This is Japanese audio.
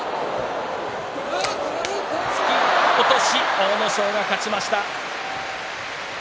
阿武咲が勝ちました。